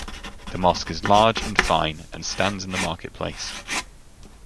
The mosque is large and fine, and stands in the market-place.